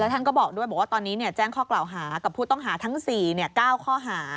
ท่านก็บอกด้วยบอกว่าตอนนี้แจ้งข้อกล่าวหากับผู้ต้องหาทั้ง๔๙ข้อหา